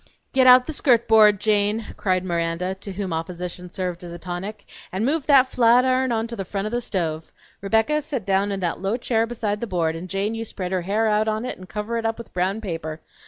"Get out the skirt board, Jane," cried Miranda, to whom opposition served as a tonic, "and move that flat iron on to the front o' the stove. Rebecca, set down in that low chair beside the board, and Jane, you spread out her hair on it and cover it up with brown paper.